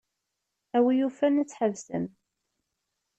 A win yufan ad tḥebsem.